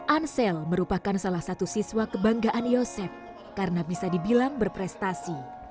ansel merupakan salah satu siswa kebanggaan yosep karena bisa dibilang berprestasi